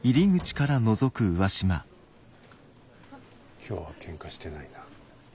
今日はけんかしてないな。